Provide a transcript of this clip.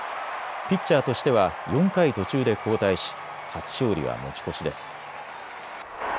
ピッチャーとしては４回途中で交代し初勝利は持ち越しです。